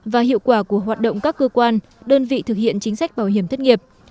và hiệu quả của hoạt động các cơ quan đơn vị thực hiện chính sách bảo hiểm thất nghiệp